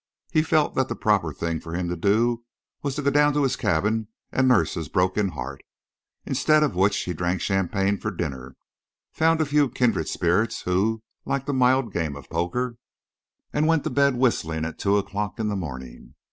He felt that the proper thing for him to do was to go down to his cabin and nurse his broken heart; instead of which he drank champagne for dinner, found a few kindred spirits who liked a mild game of poker, and went to bed whistling at two o'clock in the morning.